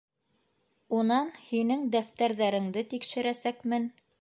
Унан һинең дәфтәрҙәреңде тикшерәсәкмен.